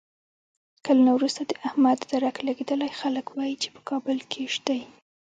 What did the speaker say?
کلونه ورسته د احمد درک لګېدلی، خلک وایي چې په کابل کې دی.